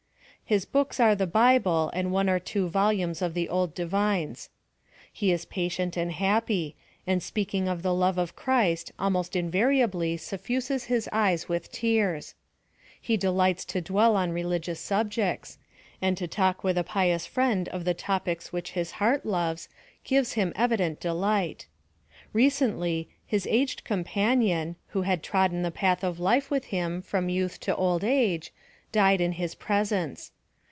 His books are the bible and one or two volumes of the old divines. He is patient and happy ; and speak ing of the love of Christ almost invariably suffuses his eyes with tears. He delights to dwell on re ligious subjects ; and to talk with a pious friend of the topics which his heart loves, gives him evident delight. Recently, his aged companion, who had trodden the path of life with him, from youth to old age, died in his presence.